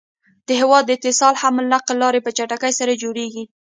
د هيواد د اتصال حمل نقل لاری په چټکی سره جوړيږي